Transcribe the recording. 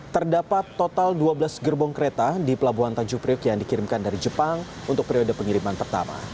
terdapat total dua belas gerbong kereta di pelabuhan tanjung priok yang dikirimkan dari jepang untuk periode pengiriman pertama